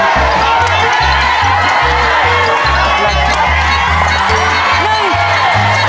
หนึ่ง